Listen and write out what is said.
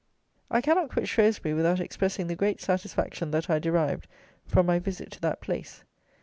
I cannot quit Shrewsbury without expressing the great satisfaction that I derived from my visit to that place.